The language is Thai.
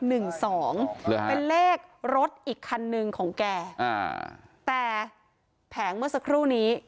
เป็นเลขรถอีกคันหนึ่งของแกอ่าแต่แผงเมื่อสักครู่นี้